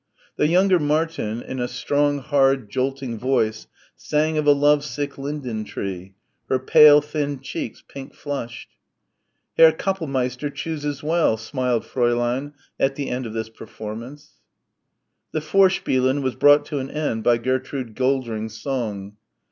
The younger Martin in a strong hard jolting voice sang of a love sick Linden tree, her pale thin cheeks pink flushed. "Herr Kapellmeister chooses well," smiled Fräulein at the end of this performance. The Vorspielen was brought to an end by Gertrude Goldring's song.